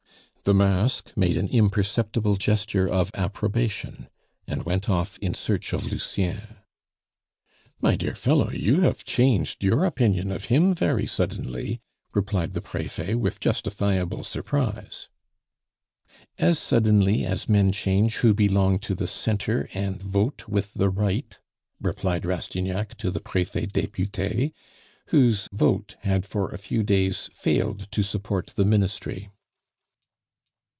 The mask made a imperceptible gesture of approbation, and went off in search of Lucien. "My dear fellow, you have changed your opinion of him very suddenly," replied the Prefet with justifiable surprise. "As suddenly as men change who belong to the centre and vote with the right," replied Rastignac to the Prefet Depute, whose vote had for a few days failed to support the Ministry.